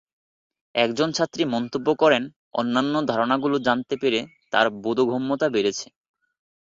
একজন ছাত্রী মন্তব্য করেন অন্যান্য ধারণাগুলো জানতে পেরে তার বোধগম্যতা বেড়েছে।